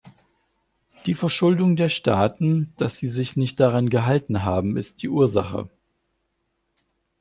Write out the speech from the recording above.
Die Verschuldung der Staaten, dass sie sich nicht daran gehalten haben, ist die Ursache.